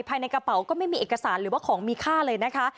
ภายในกระเป๋าก็ไม่มีเอกสารหรือว่าของมีค่าเลยนะคะ